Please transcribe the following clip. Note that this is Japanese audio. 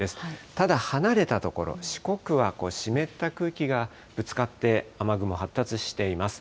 ただ、離れたところ、四国は湿った空気がぶつかって、雨雲発達しています。